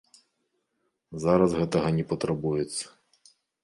Зараз гэтага не патрабуецца.